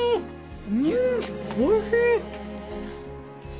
うんおいしい！